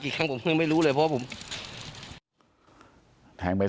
ตลอดทั้งคืนตลอดทั้งคืน